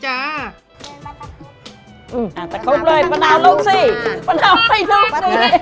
อืมอาจจะคุบเลยปะนาวลูกสิปะนาวไม่ตามลูกนี่